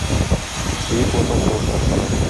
Бөек Ватан сугышы башлана.